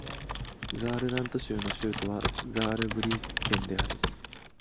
ザールラント州の州都はザールブリュッケンである